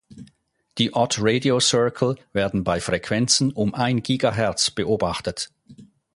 Die Odd Radio Circle werden bei Frequenzen um ein Gigahertz beobachtet.